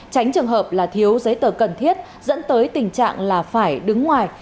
tránh trường hợp là thiếu giấy tờ cần thiết dẫn tới tình trạng là phải đứng ngoài